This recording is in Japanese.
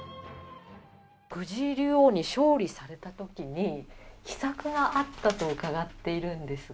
藤井竜王に勝利されたときに、秘策があったと伺っているんですが。